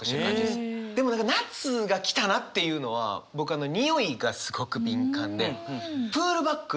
でも何か夏が来たなっていうのは僕においがすごく敏感で。